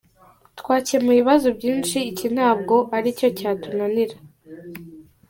Twakemuye ibibazo byinshi iki ntabwo ari cyo cyatunanira.